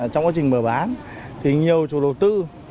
trong quá trình mở bán thì nhiều chủ đầu tư